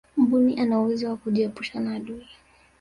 mbuni ana uwezo wa kujiepusha na adui